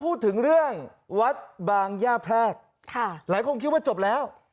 พูดถึงเรื่องวัดบางย่าแพรกค่ะหลายคนคิดว่าจบแล้ว